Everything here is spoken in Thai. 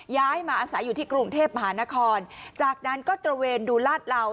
ย้ายมาอาศัยอยู่ที่กรุงเทพมหานครจากนั้นก็ตระเวนดูลาดเหล่า